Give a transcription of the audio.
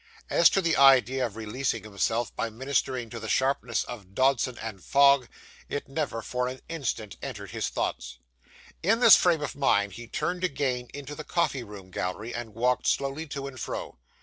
As to the idea of releasing himself by ministering to the sharpness of Dodson & Fogg, it never for an instant entered his thoughts. In this frame of mind he turned again into the coffee room gallery, and walked slowly to and fro.